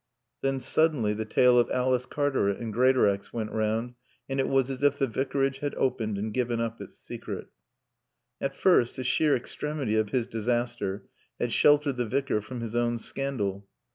Then, suddenly, the tale of Alice Cartaret and Greatorex went round, and it was as if the Vicarage had opened and given up its secret. At first, the sheer extremity of his disaster had sheltered the Vicar from his own scandal.